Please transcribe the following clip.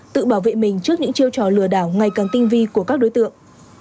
tự bảo vệ mình trước những chiêu trò lừa đảo ngày càng tinh vi của các đối tượng